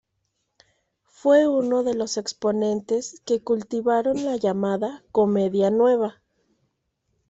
Fue uno de los exponentes que cultivaron la llamada "comedia nueva".